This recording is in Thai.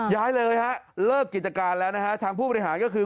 ย้ายเลยฮะเลิกกิจการแล้วนะฮะทางผู้บริหารก็คือ